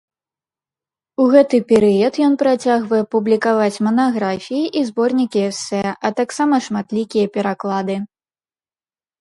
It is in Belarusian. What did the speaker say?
У гэты перыяд ён працягвае публікаваць манаграфіі і зборнікі эсэ, а таксама шматлікія пераклады.